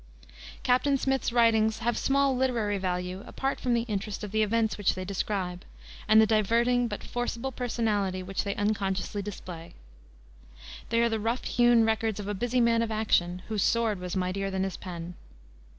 Captain Smith's writings have small literary value apart from the interest of the events which they describe, and the diverting but forcible personality which they unconsciously display. They are the rough hewn records of a busy man of action, whose sword was mightier than his pen.